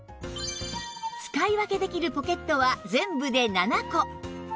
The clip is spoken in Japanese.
使い分けできるポケットは全部で７個